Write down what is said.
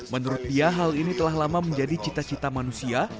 menurut dia hal ini telah lama menjadi cita cita manusia